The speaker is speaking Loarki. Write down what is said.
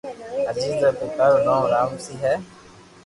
اجيت رآ پيتا رو نوم رامسو ھي